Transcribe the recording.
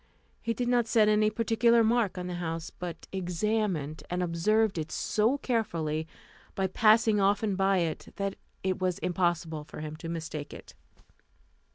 He did not set any particular mark on the house, but examined and observed it so carefully, by passing often by it, that it was impossible for him to mistake it.